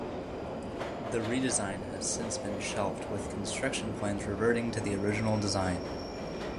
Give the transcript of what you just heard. The redesign has since been shelved with construction plans reverting to the original design.